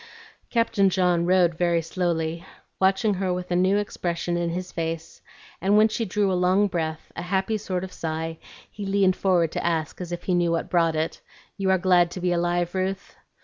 Captain John rowed very slowly, watching her with a new expression in his face; and when she drew a long breath, a happy sort of sigh, he leaned forward to ask, as if he knew what brought it, "You are glad to be alive, Ruth?"